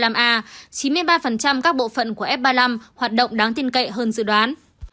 chín mươi ba các bộ phận của f ba mươi năm hoạt động đáng tin cậy hơn dự đoán